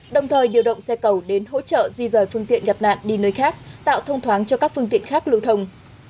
đồng thời điều động xe cầu đến hỗ trợ di rời phương tiện gặp nạn đi nơi khác tạo thông thoáng cho các phương tiện khác lưu thông